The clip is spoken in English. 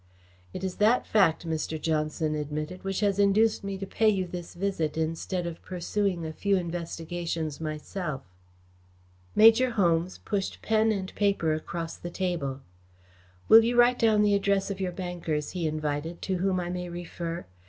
"It is that fact," Mr. Johnson admitted, "which has induced me to pay you this visit instead of pursuing a few investigations myself." Major Holmes pushed pen and paper across the table. "Will you write down the address of your bankers," he invited, "to whom I may refer?